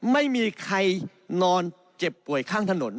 ไม่มีใครนอนเจ็บป่วยข้างถนน